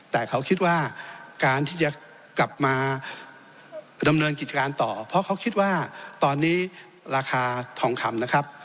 แต่เขาคิดว่าการที่จะกลับมาดำเนินกิจการต่อเพราะเขาคิดว่าตอนนี้ราคาทองคำนะครับ